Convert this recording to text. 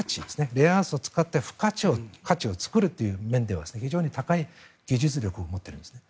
レアアースを使った付加価値を作るという面では非常に高い技術力を持っているんです。